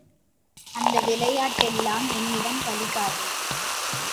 அந்த விளையாட்டெல்லாம் என்னிடம் பலிக்காது.